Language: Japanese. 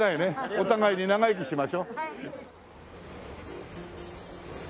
お互いに長生きしましょう。